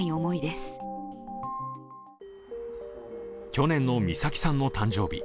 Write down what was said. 去年の美咲さんの誕生日。